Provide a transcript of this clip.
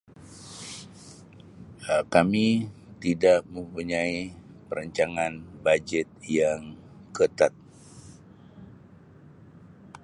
Um Kami tidak mempunyai perancangan bajet yang ketat.